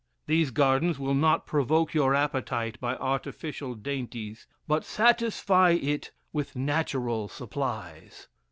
These gardens will not provoke your appetite by artificial dainties, but satisfy it with natural supplies.